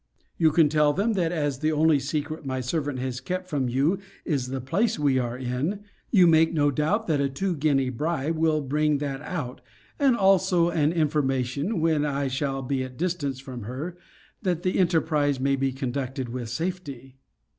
You can tell them, that as the only secret my servant has kept from you is the place we are in, you make no doubt, that a two guinea bribe will bring that out, and also an information when I shall be at a distance from her, that the enterprise may be conducted with safety.